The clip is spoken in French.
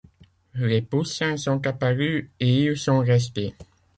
Les poussins sont apparus et ils sont restés.